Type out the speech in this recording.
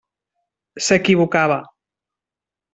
S'equivocava.